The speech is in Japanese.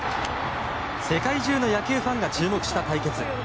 世界中の野球ファンが注目した対決。